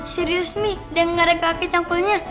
serius mi udah gak ada kakek canggulnya